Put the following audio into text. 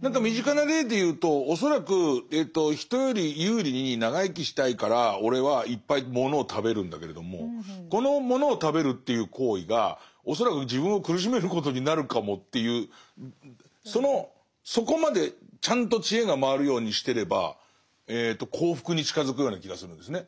何か身近な例で言うと恐らく人より有利に長生きしたいから俺はいっぱいものを食べるんだけれどもこのものを食べるという行為が恐らく自分を苦しめることになるかもというそこまでちゃんと知恵が回るようにしてれば幸福に近づくような気がするんですね。